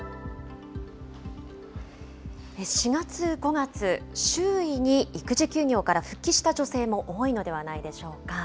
４月、５月、周囲に育児休業から復帰した女性も多いのではないでしょうか。